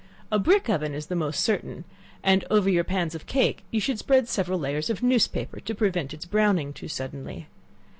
A brick oven is the most certain, and over your pans of cake, you should spread several layers of newspaper, to prevent its browning too suddenly.